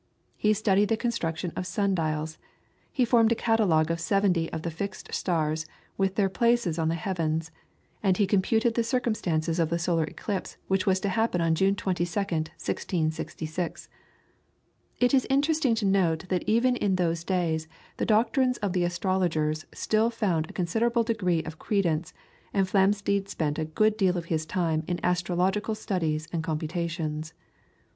He studied the construction of sun dials, he formed a catalogue of seventy of the fixed stars, with their places on the heavens, and he computed the circumstances of the solar eclipse which was to happen on June 22nd, 1666. It is interesting to note that even in those days the doctrines of the astrologers still found a considerable degree of credence, and Flamsteed spent a good deal of his time in astrological studies and computations.